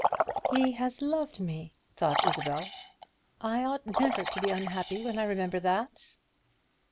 "He has loved me!" thought Isabel; "I ought never to be unhappy, when I remember that."